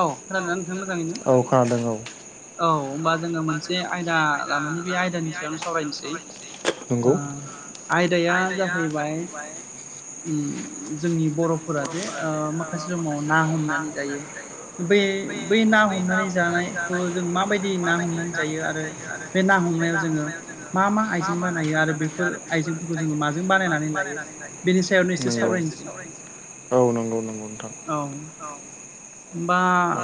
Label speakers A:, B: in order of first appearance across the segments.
A: औ खोनादोंना नोंथां मोजाङैनो?
B: औ खोनादों औ।
A: औ होनोमबा जोङो मोनसे आयदा लानानै बे आयदानि सायावनो सावरायनोसै। ओ आयदाया जाहैबाय जोंनि बर'फोरा जे माखासे समाव ना हम बे बै ना हमनानै जानाय खौ जों माबायदि ना हमनानै जायो आरो बे ना हमनायाव जोङो मा मा आइजें बानायो आरो बेफोरखौ बेफोर आइजेंफोरखौ जोङो माजों बानायनानै लायो बेनि सायावनो एसे सावरायनोसै।
B: औ नंगौ नंगौ नोंथां।
A: होमबा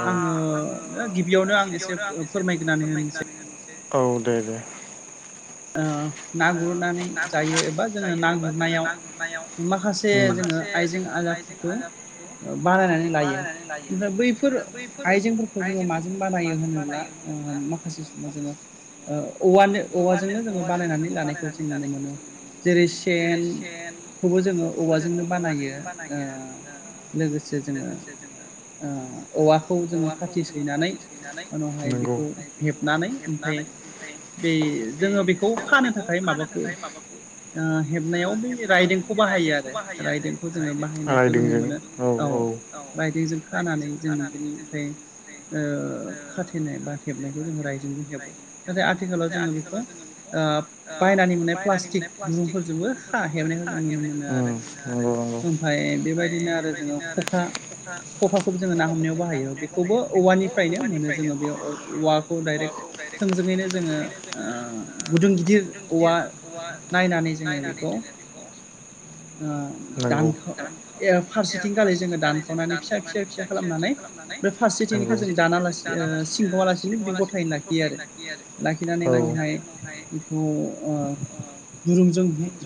A: आङो ओ गिबियावनो आंनि
B: गिबिआवनो आं एसे फोरमायगोरनानै होनोसै। औ दे दे।
A: ओ ना गुरनानै जायो एबा जोङो ना गुरनायाव माखासे बे जोङो आइजें आलाफोरखौ बानायनानै लायो। ओमफ्राय बैफोर आइजेंफोरखौ जोङो माजों बानायो होनोब्ला ओ माखासे जोङो ओ औवानो औवाजोंनो
B: औवाजोंनो जोङो बानायनानै लानायखौ जों नुनो मोनो।
A: जेरै सेनखौबो जोङो औवाजोंनो बानायो। ओ लोगोसे जोङो ओ औवाखौ जोङो फाथि सैनानै उनावहाय बेखौ हेबनानै ओमफ्राय बे जोङो बेखौ खानो थाखाय माबाखौ ओ हेबनायाव बै राइदोंंखौ बाहायो आरो राइदों। जोङो बाहायनायखौ नुनो मोनो औ।
B: औ।
A: राइदेंजों खानानै जों बेनिफ्राय ओ खाथेनाय बा हेबनायखौ जोङो रायदोंजों हेबो नाथाय आथिखालाव जोङो बेखौ ओ बायनानै मोननाय प्लास्टिक दुरुंफोरजोंबो खा हेबनायखौ जों नुनो मोनो आरो। ओमफ्राय बेबायदिनो आरो जोङो खखा। खखाखौबो जोङो ना हमनायाव बाहायो। बेखौबो औवानिफ्रायनो मोनो जोङो बेआव औवा खौ डाइरेक थोंजोङैनो जोङो ओ गुदुं गिदिर औवा नायनानै जोङो बेखौ ओ दानखाव एफ फारसेथिं गालाय जोङो दानखावनानै फिसा फिसा फिसा खालामनानै बे फारसेथिंनिखौ जों दानालासिनो सिंखावालासिनो बिदिनो गथायैनो लाखियो आरो। लाखिनानै उनावहाय बेखौ ओ दुरुंजों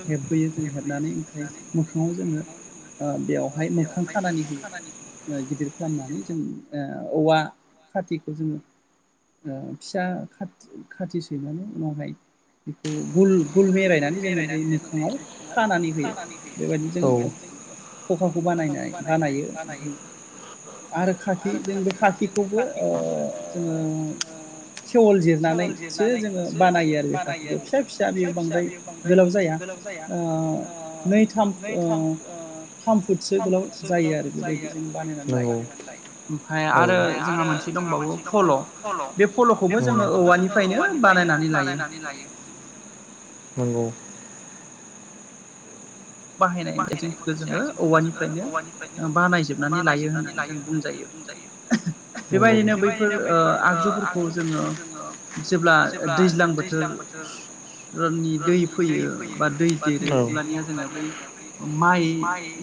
A: हेबबोयो जों हेबनानै ओमफ्राय मोखाङाव जोङो ओ बेयावहाय मोखां खानानै होयो ओ गिदिर खालामनानै जों ओ औवा खाथिखौ जोङो ओ फिसा खा खाथिसैनानै उनावहाय बेखौ गुलु गुल मेरायनानै जोङो बे मोखाङाव खानानै होयो बेबायदिनो जों
B: [inaudible] सखाखौ बानाय बानायो आरो खाथि
A: खौबो ओ जोङो थेवल जिरनानैसो जोङो बानायो आरो बे खाथिखौ फिसा फि
B: फिसा फिसा बेयाव बांद्राय गोलाव जाया ओ नै थाम ओ थामफुदसो गोलाव जायो आरो औ। आरो जोंहा मोनसे दंबावो फल' बे फल'खौबो जोङो औवानिफ्रायनो बानायायनानै लायो। नंगौ। बाहायनाय माखासे आइजेंफोरखौ जोङो औवानिफ्रायनो बानायनायजोबनानै लायो होननानै जों बुंजायो। नंगौ बेबायदिनो बैफोर ओ आगजुफोरखौ जोङो जेब्ला दैज्लां बोथोर ओ
A: रननि दै फैयो बा दै देरो अब्लानिया जोङो बै माइ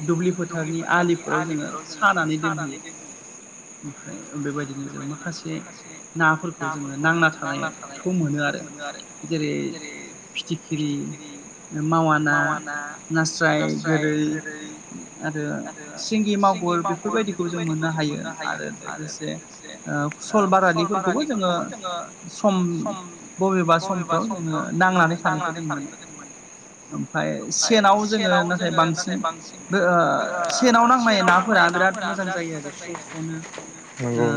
A: दुब्लि फोथारनि आलिफोराव जोङो सानानै दोनहैयो। ओमफ्राय बेबायदिनो जों माखासे नाफोरखौ जोङो नांना थानायाव खौ मोनो आरो जेरै- फिथिख्रि मावा ना
B: [unintelligible]
A: नास्राय गोरै आरो सिंगि मगुर बेफोरबायदि खौ जों मोननो हायो आरो लोगोसे ओ सलबारानिफोरखौबो जोङो सम बबेबा सम थ' जों नांनानै थानाय जों मोनो। आमफाय सेनाव जोङो नाथाय बांसिन ओ सेनाव नांनाय नाफोरा बिराद मोजां जायो आरो स्र' स्र'नो ओ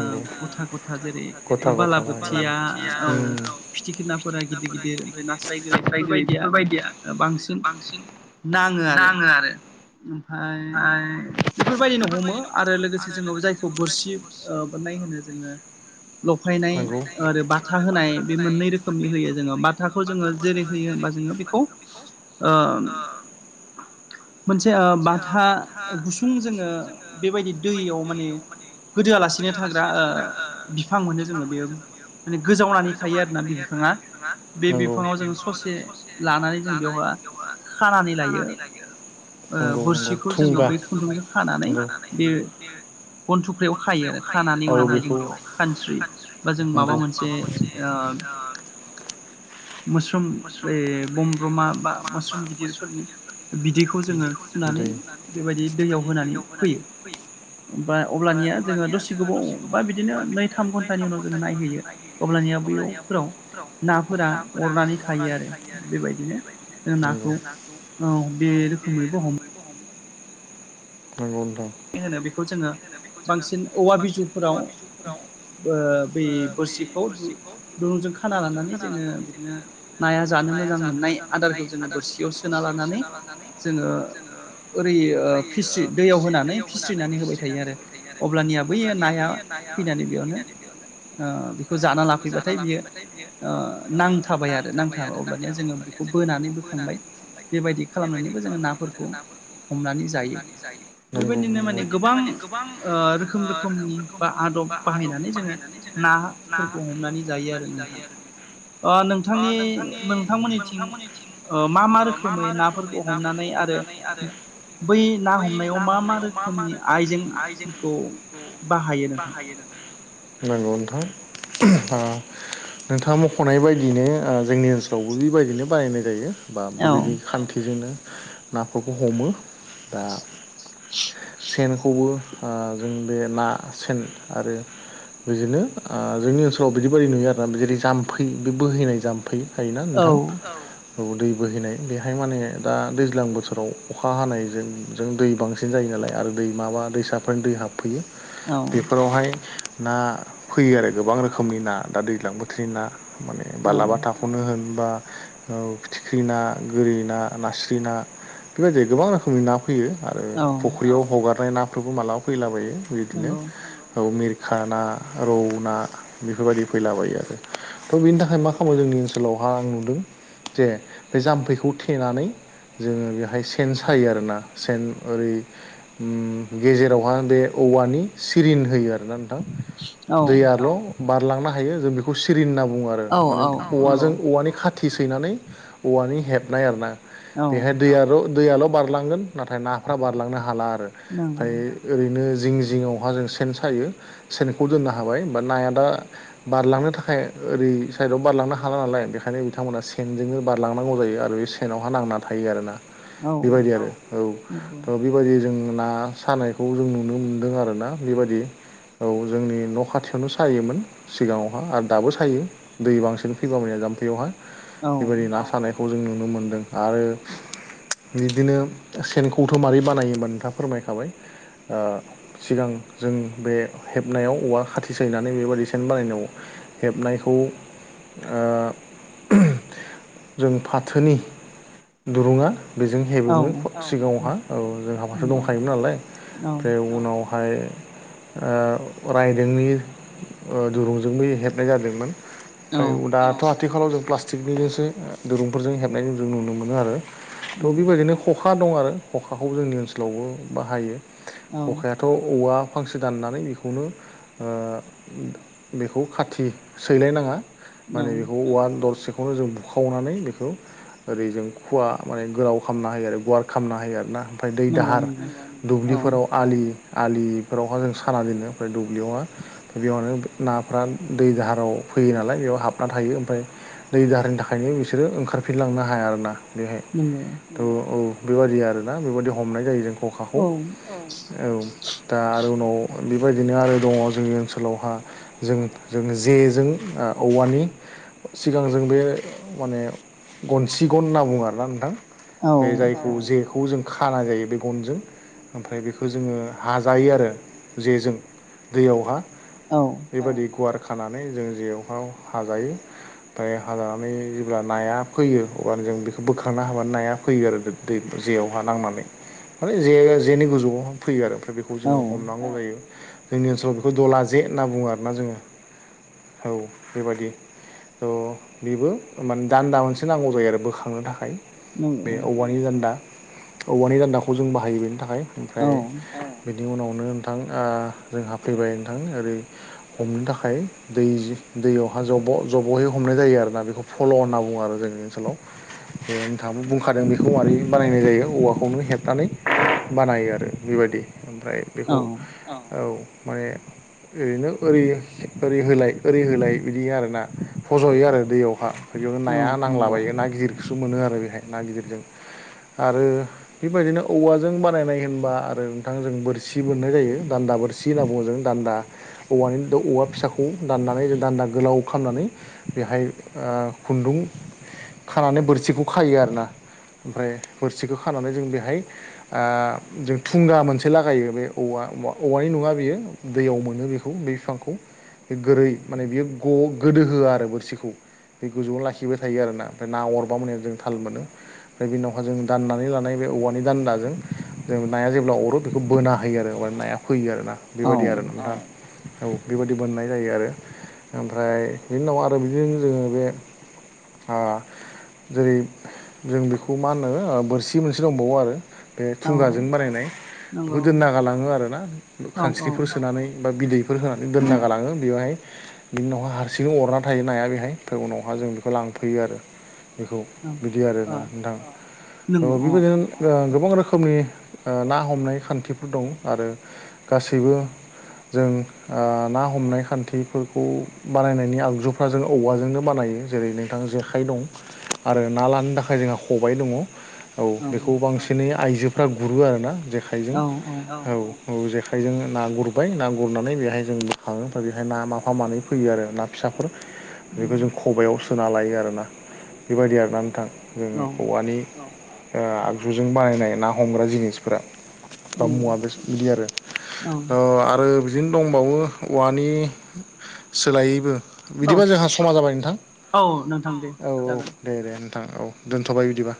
A: गथा गथा जेरै- बालाबोथिया औ फिथिख्रि नाफोरा गिदिर गिदिर ओमफ्राय नास्राय गोरै बेफोरबायदिया बांसिन
B: नाङो आरो।
A: ओमफाय बेफोरबायदिनो हमो आरो लोगोसे जोङो जायखौ बोरसि ओ बोननाय होनो जोङो लफायनाय आरो बाथा होनाय बे मोननै रोखोमनि होयो जोङो बाथाखौ जोङो जेरै होयो होमबा जोङो खौ ओ- मोनसे ओ बाथा गुसुं जोङो बेबायदि दैयाव माने गोदोआलासिनो थाग्रा ओ बिफां मोनो जोङो बेयो माने गोजावनानै थायो आरोना बे बिफाङा बे बिफाङाव जोङो ससे लानानै जों बेवहा खानानै लायो बोरसिखौ जोङो बै खुन्दुंजों खानानै बे बनथुख्रायाव खायो आरो खानानै उनावहाय जों बेयाव खान्स्रिबा जों माबा मोनसे ओ मोस्रोम बै बमब्रमा बा मोस्रोम गिदि गिदिरफोरनि बिदैखौ जोङो फुनानै बेबायदि दैयाव होनानै फैयो अबा अब्लानिया जोङो दसे गोबाव बा बिदिनो नै थाम घन्टा
B: थाम घन्टानि उनाव जों नायो अब्लानिया बे अखरफोराव नाफोरा अरनानै थायो [inaudible]
A: औ बे रोखोमैबो हमो
B: नोंगौ नोंथां
A: मा होनो बेखौ जोङो बांसिन औवा बिजौफोराव बै बोरसिखौ दु-दुरुंजों खाना लानानै जोङो बिदिनो नाया जानो मोजां मोननाय आदारखौ जोङो बोरसियाव सोना लानानै जोङो ओरै फिसि दैयाव होनानै फिस्रिनानै होबाय थायो आरो, अब्लानिया बै नाया फैनानै बेयावनो ओ बेखौ जाना लाफैबाथाय बियो ओ नांथाबाय आरो नांथाबाय अब्लानिया जोङो बेखौ बोनानै बोखांबाय बेबायदि खालामनानैबो जोङो नाफोरखौ हमनानै जायो बेबायदिनो माने गोबां ओ रोखोम रोखोमनि बा आदब बाहायनानै जोङो नाफोरखौ हमनानै जायो आरो नोंथां। अ नोंथांनि नोंथांमोननिथिं ओ मा मा रोखोमै नाफोरखौ हमनानै आरो बै ना हमनायाव मा मा रोख खोमनि आइजेंफोरखौ बाहायो नोंथां।
B: [inaudible] नंगौ नोंथां। नोंथाङा मखनाय बायदिनो जोंनि ओनसोलावबो बेबायदिनो बानायायनाय जायो। बा बेबायदि खान्थिजोंनो नाफोरखौ हमो दा सेनखौबो ओ जों बे ना सेन आरो बिदिनो ओ जोंनि ओनसोलाव बिदिबाददि नुयो आरोना जेरै जाम्फै बे बोहैनाय जाम्फै फैय थायोना नोंथां। औ दै बोहैनाय बेहाय माने दा दैज्लां बोसोराव अखा हानायजों। जों दै बांसिन जायो नालाय आरो दै माबा दैसाफोरनो दै हाबफैयो। बेफोरावहाय ना फैयो आरो गोबां रोखोमनि ना दा दैज्लां बोथोरनि ना। माने बालाबाथा। खौनो होन बा ओ फिथिख्रि ना गोरि ना नास्रि ना। बेबायदि गोबां रोखोमनि ना। फैयो आरो फख्रियाव हगारनाय नाफोरबो मालाबा फैलाबायो बिदिनो। औ मिरखा ना रौ ना बेफोरबायदि फैलाबायो आरो थ बेनि थाखाय मा खालामो जोंनि ओनसोलावहा आं नुदों जे बे जाम्फैखौ थेनानै जोङो बेहाय सेन सायो आरोना सेन ओरै। ओम गेजेरावहाय बे औवानि सिरिन होयो आरोना नोंथां। दैयाल बारलांनो हायो जों बेखौ सिरिन होनना बुङो आरो माने औवाजों औवानि खा थि सैनानै औवानि हेबनाय आरो ना बेहाय दैयाल दैयाल बारलांगोन नाथाय नाफ्रा बारलांनो हाला आरो ओमफ्राय ओरैनो जिं जिङआवहा जों सेन सायो सेनखौ दोननो हाबाय बा नाया दा बारलांनो थाखाय ओरै साइदआव बारलांनो हाला नालाय बेखायनो बिथांमोना सेनजोंनो बारलांनांगौ जायो आरो सेनावहा नांना थायो आरोना बेबायदि आरो औ थ बेबायदि जों ना सानायखौ जों नुनो मोनदों आरोना बेबायदि औ। जोंनि न खाथियावनो सायोमोन सिगाङावहा आरो दाबो सायो। दै बांसिन फैबा जाम्फैयावहाय बेबायदि ना सानाय। खौ जों नुनो मोनदों आरो बिदिनो सेनखौथ माबारै बानायोबा नोंथाङा फोरमायखाबाय। ओ सिगां जों बे हेबनायाव औवा खाथि सैनानै बेबायादि सेन बानायनायाव हेबनायखौ। ओ उम जों फाथोनि दुरुङा बेजों हेबोमोन सिगाङावहा औ जोंहा माथा दंखायोमोन नालाय। फ्राय उनावहाय। ओ रायदोंनि दुरुंजोंबो हेबनाय जादोंमोन। ओमफ्राय दाथ आथिखालाव जों प्लास्टिकनिजोंसो दिरुंफोरजों हेबनायजों जों नुनो मोनो आरो थ‌ बेबायदिनो खखा दं आरो खखाखौ जोंनि ओनसोलावबो बाहायो खखाया। थ औवा फांसे दाननानै बेखौ खौनो ओ बेखौ खाथि सैलायनाङा। माने बेखौ औवा दरसेखौनो जों बुखावनानै बेखौ। ओरै जों खुवा माने गोलाव खालामना हायो आरो गुवार खालामना हायो आरो ना। ओमफ्राय दै दाहार दुब्लिफोराव आलि आलिफोरावहाय जों साना दोनो। दुब्लियावआ। बेयावनो नाफ्रा दै दाहाराव फैयो नालाय बेयाव हाबना थायो ओमफ्राय दै दाहारनि थाखायनो बिसोरो ओंखारफिनलांनो हाया आरोना बेहाय।
A: नंगौ।
B: थ औ बेबायदि आरोना बेबायदि हमनाय जायो जों खखाखौ औ दा आरो उनाव बि बेबायदिनो आरो दङ जोंनि ओनसोलावहा जों जों जेजों ओ औवानि सिगां जों बे माने गनसि गन होनना बुङो आरोना नोंथां। बे जायखौ जे खौ जों खाना जायो बे गनजों ओमफ्राय बेखो जोङो हाजायो आरो। जेजों दैयावहा बेबादि गुवार खानानै जों जेयावहाव हाजायो। ओमफाय हानानै जेब्ला नाया फैयो अब्लानो जों बेखो बोखांना होबानो नाया फैयो आरो। दै जेयावहा नांनानै माने जे जेनि गोजौआव फैयो आरो ओमफ्राय बेखौ जोङो हमनांगौ जायो। जोंनि ओनसोलाव बेखौ दला जे होनना बुङो आरोना जोङो औ बेबायदि। थ' बिबो माने दान्दा मोनसे नांगौ जायो आरो बोखांनो थाखाय। बे औवानि दान्दा औवानि दान्दाखौ जों बाहायो बेनि थाखाय। ओमफ्राय बिनि उनावनो नोंथां ओ जोंहा फैबाय नोंथां ओरै हमनो थाखाय दै दैयावहा जब' जब'यै हमनाय जायो आरोना बेखौ फल' होनना बुङो आरो जोंनि ओनसोलाव। नोंथाङा बुंखादों बेखौ माबारै बानायनाय जायो औवाखौनो हेबनानै। बानायो आरो बेबायदि ओमफ्राय बेखौ औ माने ओरैनो ओ ओरै होलाय ओरै होलाय बिदि आरोना फज'यो आरो दैयावहा। बेयावनो नाया नांलाबायो ना गिदिरखौसो मोनो आरो बेहाय ना गिदिरजों। आरो बेबायदिनो औवाजों बानायनाय होनबा आरो नोंथांजों बोरसि बोन मोननाय जायो दान्दा बोर सि होनना बुङो जों दान्दा औवानि औवा फिसाखौ दाननानै जों दान्दा गोलाव खालामनानै बेहाय ओ खुन्दुं खानानै बोरसिखौ खायो आरोना। ओमफ्राय बोरसिखौ खानानै जों बेहाय ओ जों थुंगा मोनसे लागायो बे। औवा औवा औवानि नङा बेयो दैयाव मोनो बेखौ बे बिफांखौ। बे गोरै माने बियो ग गोदो होआ आरो बोरसिखौ। बे गोजौआवनो लाखिबाय थायो आरोना ओमफ्राय ना अरबा मोने जों थाल मोनो। फ्राय बिनि उनावहा जों दान्नानै लानाय बे औवानि दान्दाजों जों नाया जेब्ला अरो बेखौ बोना हायो आरो नाया फैयो आरोना बेबायदि आरो नोंथां। औ बेबायदि मोननाय जायो आरो ओमफ्राय बिनि उनाव आरो बिदिनो जोङो बे आ जेरै जों बेखौ मा होनो बोरसि मोनसे दंबावो आरो। ओ थुंगाजों बानायनाय। दोनना गालाङो आरोना खानस्रिफोर सोनानै बा बिदैफोर सोनानै दोनना गालाङो बेवहाय। बिनि उनावहा हारसिं अरना थायो नाया बेहाय उनावहा जों बेखौ लांफैयो आरो। बेखौ बिदि आरोना नोंथां ओ बेबायदिनो ओ गोबां रोखोमनि ओ ना हमनाय खान्थिफोर दं आरो गासैबो जों ओ ना हमनाय खान्थिफोरखौ बानायनायनि आगजुफ्रा जों औवाजोंनो बानायो। जेरै नोंथां जेखाइ दं आरो ना लानो थाखाय जोंहा खबाय दङ। औ बेखौ बांसिनै आइजोफ्रा गुरो आरोना जेखाय
A: औ औ।
B: औ औ जेखाइजों ना गुरबाय ना गुरनानै बेहाय जों बोखाङो ओमफ्राय बेहाय ना माफा मानै फैयो आरो ना फिसाफोर।
A: [inaudible]
B: बेखौ जों खबायाव सोना लायो आरोना बेबायदि आरोना नोंथां। उम औवानि ओ आगजुजों बानायनाय ना हमग्रा जिनिसफोरा। बा मुवा बेसाद बिदि आरो ओ आरो दिनो दंबावो औवानि सोलायैबो बिदिबा जोंहा समा जाबाय नोंथां औ औ। दे दे नोंथां औ दोन्थ'बाय बिदिबा।